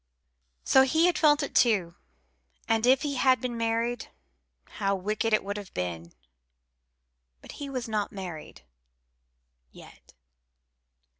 So he had felt it too; and if he had been married, how wicked it would have been! But he was not married yet.